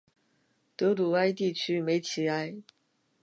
德鲁艾地区梅齐埃。